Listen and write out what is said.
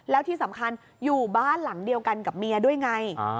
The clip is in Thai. แล้วที่สำคัญอยู่บ้านหลังเดียวกันกับเมียด้วยไง